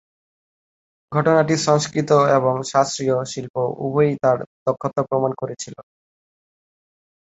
ঘটনাটি সংস্কৃত এবং শাস্ত্রীয় শিল্প উভয়েই তাঁর দক্ষতা প্রমাণ করেছিল।